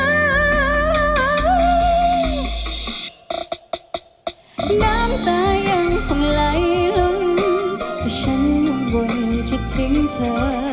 น้ำตายังคงไหลลงแต่ฉันยังว่าจะทิ้งเธอ